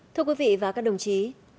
thưa quý vị và các đồng chí